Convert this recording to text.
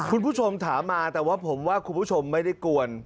คุณผู้ชมถามมาแต่ว่าผมว่าคุณผู้ชมไม่ได้กวน